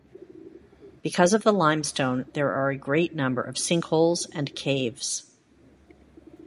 Because of the limestone there are a great number of sinkholes and caves.